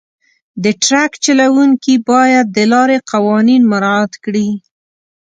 د ټرک چلونکي باید د لارې قوانین مراعات کړي.